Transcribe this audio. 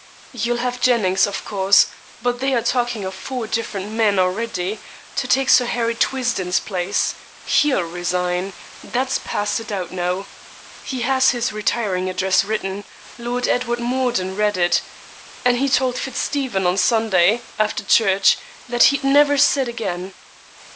'You'll have Jennings, of course; but they are talking of four different men, already, to take Sir Harry Twisden's place. He'll resign; that's past a doubt now. He has his retiring address written; Lord Edward Mordun read it; and he told FitzStephen on Sunday, after church, that he'd never sit again.'